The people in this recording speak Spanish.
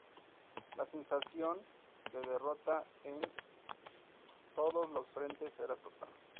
La sensación de derrota en todos los frentes era total.